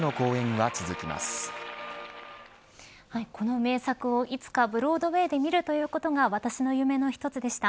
はい、この名作をいつかブロードウェーで見るということが私の夢の一つでした。